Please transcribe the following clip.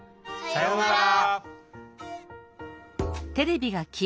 さようなら。